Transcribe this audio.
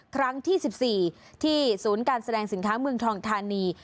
ครั้งที่๑๔ที่ศูนย์การแสดงสินค้าเมืองทองทานี